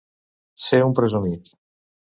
Ser un presumit.